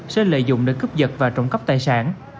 sẽ lợi dụng để cướp vật và trộm cắp tài sản